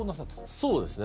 そうですね。